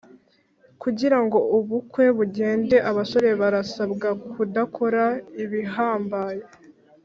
Kugira ngo ubukwe bugende abasore barasabwa kudakora ibihambaye